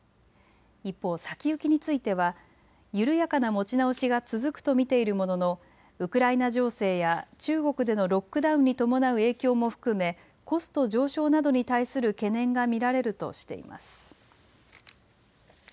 一方、先行きについては緩やかな持ち直しが続くと見ているもののウクライナ情勢や中国でのロックダウンに伴う影響も含めコスト上昇などに対する懸念が見られるとしています。